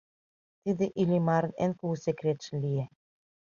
Тиде Иллимарын эн кугу секретше лие.